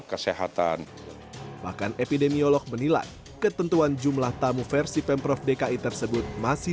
kesehatan bahkan epidemiolog menilai ketentuan jumlah tamu versi pemprov dki tersebut masih